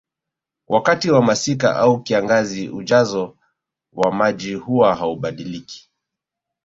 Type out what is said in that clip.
Wakati wa masika au kiangazi ujazo wa maji huwa haubadiliki